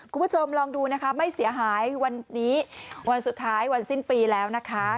คุณผู้ชมลองดูนะคะไม่เสียหายวันนี้วันสุดท้ายวันสิ้นปีแล้วนะคะ